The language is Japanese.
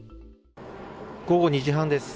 午後２時半です